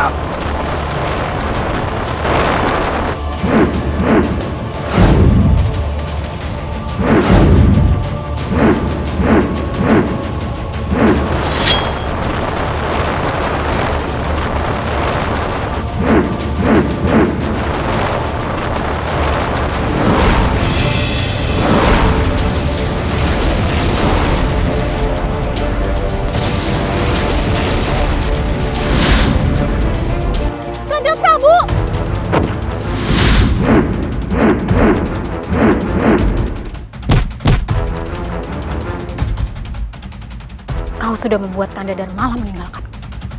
kau sudah membuat tanda darmala meninggalkanku